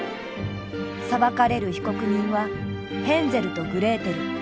裁かれる被告人はヘンゼルとグレーテル。